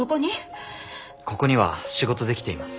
ここには仕事で来ています。